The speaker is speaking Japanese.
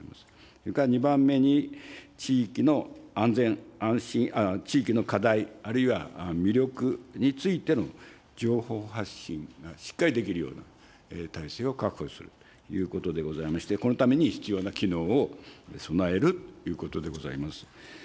それから２番目に、地域の安全・安心、地域の課題あるいは魅力についての情報発信がしっかりできるような体制を確保するということでございまして、このために必要な機能を備えるということでございます。